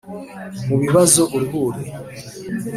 Mu bibazo uruhuri